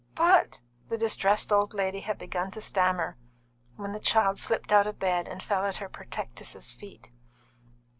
"But " the distressed old lady had begun to stammer, when the child slipped out of bed and fell at her protectress's feet.